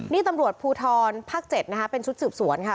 นี่ตำรวจภูทรภาค๗นะคะเป็นชุดสืบสวนค่ะ